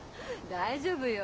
大丈夫よ。